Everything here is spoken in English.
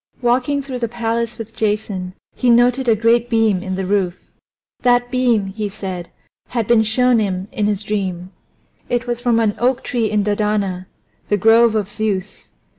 Walking through the palace with Jason he noted a great beam in the roof. That beam, he said, had been shown him in his dream; it was from an oak tree in Dodona, the grove of Zeus.